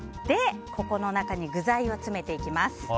ここの中に具材を詰めていきます。